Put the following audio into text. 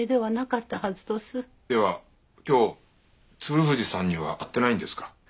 では今日鶴藤さんには会ってないんですか？